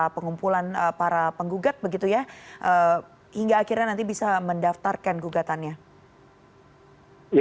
pengumpulan para penggugat begitu ya hingga akhirnya nanti bisa mendaftarkan gugatannya